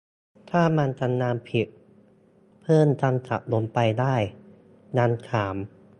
ถ้ามันทำงานผิด เพิ่มคำศัพท์ลงไปได้ ยังถาม